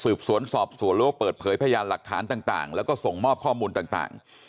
สืบสวนสอบส่วนโลกเปิดเผยพยายามหลักฐานต่างและก็ส่งมอบข้อมูลต่าง